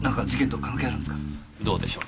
どうでしょう。